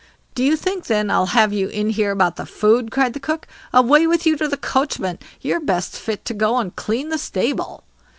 "Do you think then I'll have you in here about the food", cried the cook. "Away with you to the coachman; you're best fit to go and clean the stable."